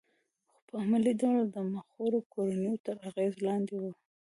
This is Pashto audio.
خو په عملي ډول د مخورو کورنیو تر اغېز لاندې وه